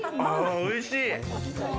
おいしい。